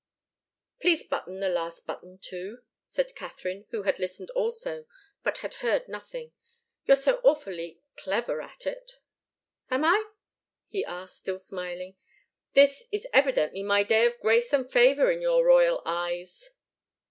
"Please button the last button, too," said Katharine, who had listened also, but had heard nothing. "You're so awfully clever at it." "Am I?" he asked, still smiling. "This is evidently my day of grace and favour in your royal eyes."